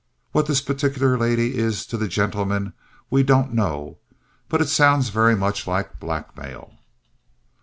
What this particular "lady" is to the "gentleman" we don't know, but it sounds very much like blackmail.